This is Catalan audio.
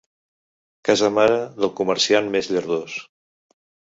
Casa mare del comerciant més llardós.